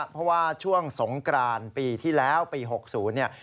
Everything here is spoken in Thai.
เพราะว่าช่วงสงกรานปีที่แล้วปี๖๐เนี่ย